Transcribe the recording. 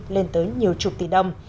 lên tới nhiều chục tỷ đồng